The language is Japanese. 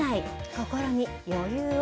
心に余裕を。